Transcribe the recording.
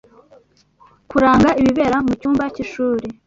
kuranga ibibera mu cyumba cy’ishuri,